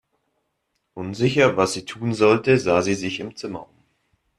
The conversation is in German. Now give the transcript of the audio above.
Unsicher, was sie tun sollte, sah sie sich im Zimmer um.